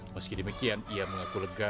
meski demikian ia mengaku lega